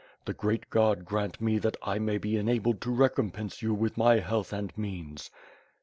The Great God grant me that I may be enabled to recompense you with my health and means.